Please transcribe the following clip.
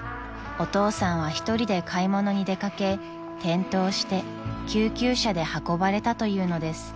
［お父さんは一人で買い物に出掛け転倒して救急車で運ばれたというのです］